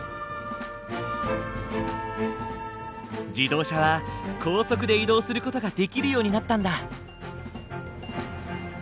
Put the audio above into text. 自動車は高速で移動する事ができるようになったんだ。